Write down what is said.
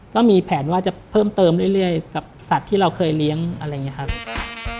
ก็มีแผนว่าจะเพิ่มเติมเรื่อยกับสัตว์ที่เราเคยเลี้ยงอะไรอย่างนี้ครับ